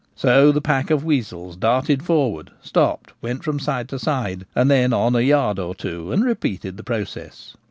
So the pack of weasels darted for ward, stopped, went from side to side, and then on a yard or two, and repeated the process.